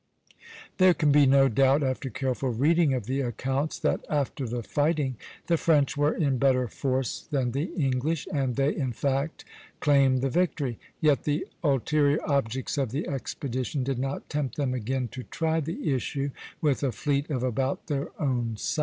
There can be no doubt, after careful reading of the accounts, that after the fighting the French were in better force than the English, and they in fact claimed the victory; yet the ulterior objects of the expedition did not tempt them again to try the issue with a fleet of about their own size.